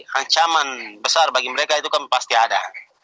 ancaman besar bagi mereka itu kan pasti ada